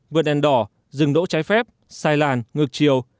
vườn đèn đỏ rừng đỗ trái phép sai làn ngược chiều